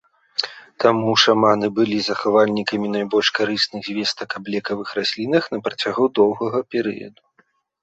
Таму шаманы былі захавальнікамі найбольш карысных звестак аб лекавых раслінах на працягу доўгага перыяду.